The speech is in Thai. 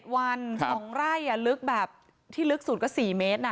๗วันของไร่ที่ลึกสูงก็๔เมตร